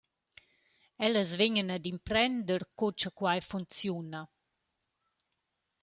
Ellas vegnan ad imprender co cha quai funcziuna.